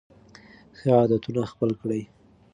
ښه عادتونه خپل کړئ.